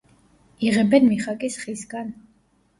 იღებენ მიხაკის ხისგან.